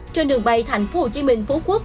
trên đường bay tp hcm phú quốc